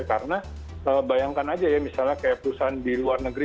karena bayangkan aja ya misalnya kayak perusahaan di luar negeri